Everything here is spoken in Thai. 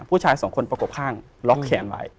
ผู้ชายสองคนประกบข้างล็อกแขนไว้